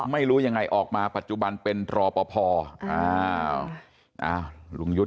ไม่รู้ยังไงออกมาปัจจุบันเป็นรอปภอ้าวลุงยุทธ์